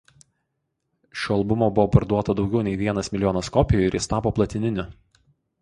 Šio albumo buvo parduota daugiau nei vienas milijonas kopijų ir jis tapo platininiu.